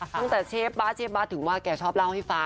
เชฟบ๊าเชฟบ๊าถึงว่าแกชอบเล่าให้ฟัง